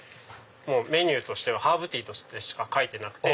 メニューとしてはハーブティーとしか書いてなくて。